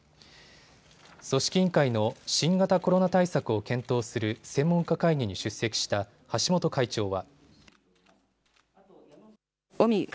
組織委員会の新型コロナ対策を検討する専門家会議に出席した橋本会長は。